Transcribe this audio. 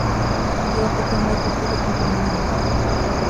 É a que ten máis vertidos contaminantes.